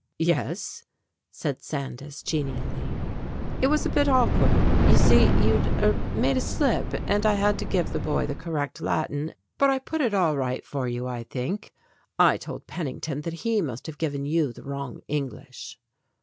"Yes," said Sandys genially, "it was a bit awkward. You see, you'd er made a slip, and I had to give the boy the correct Latin, but I put it all right for you, I think. I told Pennington that he must have given you the wrong English."